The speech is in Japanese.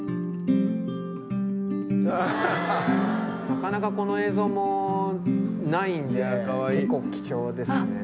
なかなかこの映像もないんで結構貴重ですね。